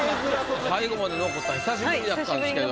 最後まで残ったん久しぶりやったんですけど。